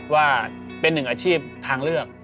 ว่าเป็นหนึ่งอาชีพทางเลือก